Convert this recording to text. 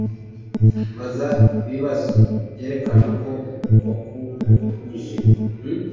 Baza ibibazo byerekana ko wakuanyije